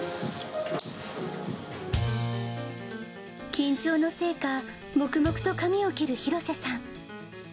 緊張のせいか、もくもくと髪を切る廣瀬さん。